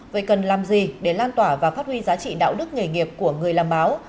vậy cần làm gì để lan tỏa và phát huy giá trị đạo đức nghề nghiệp của người làm báo